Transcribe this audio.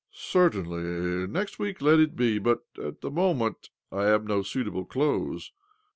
"" Certainly. Next week let it be. But at the moment I have no suitable clothes.